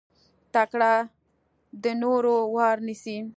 تکړه د نورو وار نيسي.